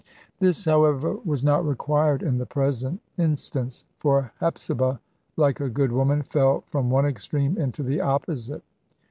This, however, was not required in the present instance; for Hepzibah (like a good woman) fell from one extreme into the opposite.